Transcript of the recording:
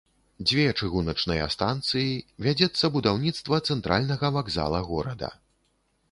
Дзве чыгуначныя станцыі, вядзецца будаўніцтва цэнтральнага вакзала горада.